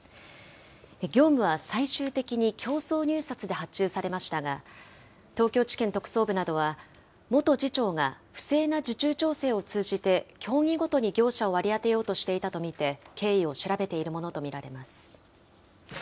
業務は最終的に競争入札で発注されましたが、東京地検特捜部などは、元次長が不正な受注調整を通じて、競技ごとに業者を割り当てようとしていたと見て、経緯を調べているものと見られます。